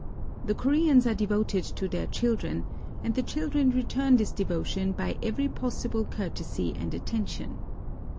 The Koreans are devoted to their children ; and the children return this devotion by every possible courtesy and attention.